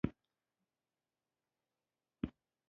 يو پوليټيکل چې يې بولي سته.